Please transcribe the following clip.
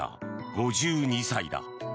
５２歳だ。